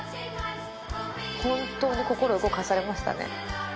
本当に心動かされましたね。